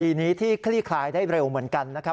คดีนี้ที่คลี่คลายได้เร็วเหมือนกันนะครับ